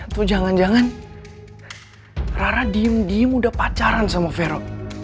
tuh jangan jangan rara diem diem udah pacaran sama vero